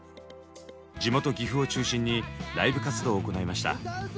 地元岐阜を中心にライブ活動を行いました。